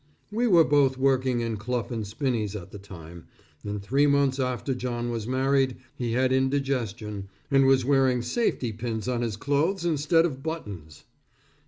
We were both working in Clough & Spinney's at the time, and three months after John was married, he had indigestion, and was wearing safety pins on his clothes instead of buttons.